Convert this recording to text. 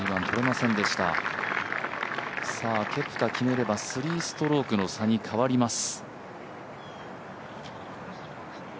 ケプカ決めれば３ストロークの差に変わります。